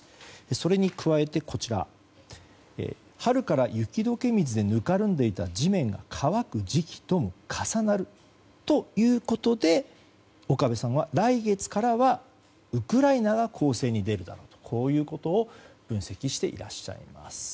それに加えて、春から雪解け水でぬかるんでいた地面が乾く時期とも重なるということで岡部さんは来月からはウクライナが攻勢に出るだろうということを分析していらっしゃいます。